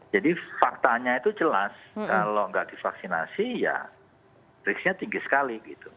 jadi faktanya itu jelas kalau gak divaksinasi ya risknya tinggi sekali gitu